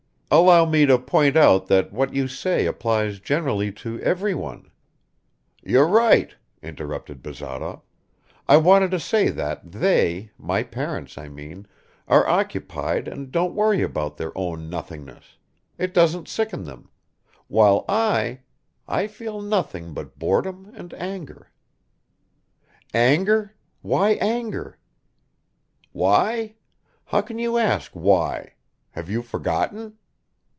"Allow me to point out that what you say applies generally to everyone." "You're right," interrupted Bazarov. "I wanted to say that they, my parents I mean, are occupied and don't worry about their own nothingness; it doesn't sicken them ... while I ... I feel nothing but boredom and anger." "Anger? Why anger?" "Why? How can you ask why? Have you forgotten?"